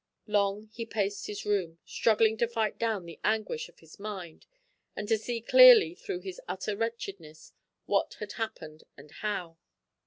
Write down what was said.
Long he paced his room, struggling to fight down the anguish of his mind and to see clearly through his utter wretchedness what had happened and how.